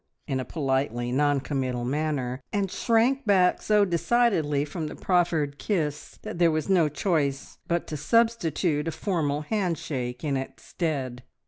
in a politely non committal manner, and shrank back so decidedly from the proffered kiss that there was no choice but to substitute a formal handshake in its stead.